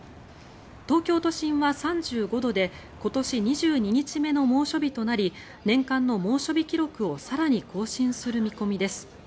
東京都心は３５度で今年２２日目の猛暑日となり年間の猛暑日記録を更に更新する見込みです。